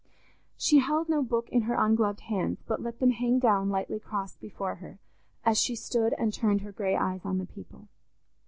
She held no book in her ungloved hands, but let them hang down lightly crossed before her, as she stood and turned her grey eyes on the people.